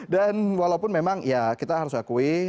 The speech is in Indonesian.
dan walaupun memang ya kita harus akui